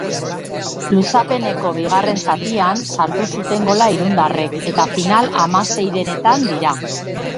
Luzapeneko bigarren zatian sartu zuten gola irundarrek eta final-hamaseirenetan dira.